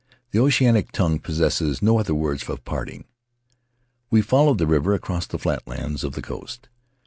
The oceanic tongue possesses no other words of parting. We followed the river across the flatlands of the coast.